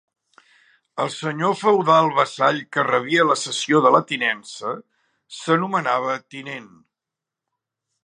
El senyor feudal vassall que rebia la cessió de la tinença s'anomenava tinent.